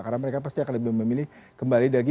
karena mereka pasti akan lebih memilih kembali lagi